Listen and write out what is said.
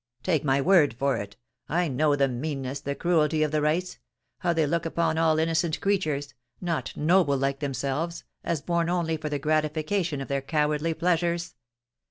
* Take my word for it I know the meanness, the cruelty of the race — how they look upon all innocent creatures, not noble like themselves, as born only for the gratification of their cowardly pleasures.